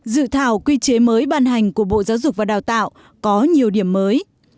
dự thảo quy chế mới ban hành của bộ giáo dục và đào tạo có nhiều điểm mới